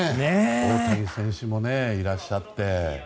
大谷選手もいらっしゃって。